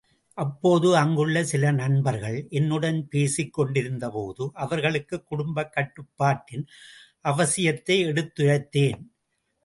அப்போது அங்குள்ள சில நண்பர்கள் என்னுடன் பேசிக்கொண்டிருந்த போது அவர்களுக்குக் குடும்பக் கட்டுப்பாட்டின் அவசியத்தை எடுத்துரைத்தேன்.